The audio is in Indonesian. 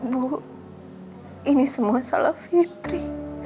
bu ini semua salat fitri